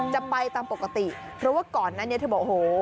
จะไปตามปกติเพราะว่าก่อนนั้นเธอบอกโห